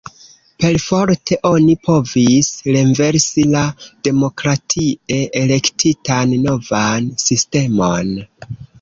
Perforte oni provis renversi la demokratie elektitan novan sistemon.